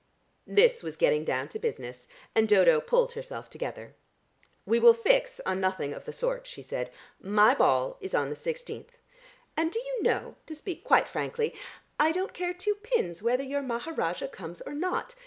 This was getting down to business, and Dodo pulled herself together. "We will fix on nothing of the sort," she said. "My ball is on the sixteenth. And, do you know, to speak quite frankly, I don't care two pins whether your Maharajah comes or not.